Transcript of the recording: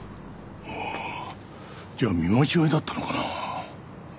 ああじゃあ見間違えだったのかなあ？